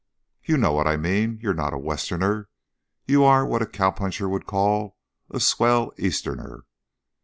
"You know what I mean. You're not a Westerner. You are what a cowpuncher would call a swell Easterner."